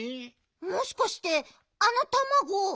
もしかしてあのたまごあたし？